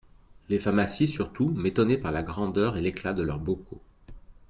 Les pharmacies surtout m’étonnaient par la grandeur et l’éclat de leurs bocaux.